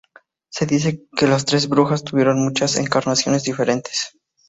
Se dice que las Tres Brujas tuvieron muchas encarnaciones diferentes.